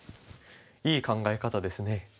いい考え方ですね。